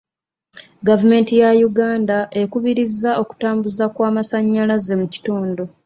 Gavumenti ya Uganda ekubirizza okutambuza kw'amasanyalaze mu kitundu.